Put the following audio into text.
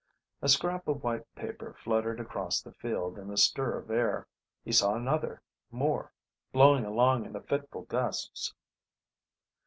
A scrap of white paper fluttered across the field in a stir of air. He saw another, more, blowing along in the fitful gusts.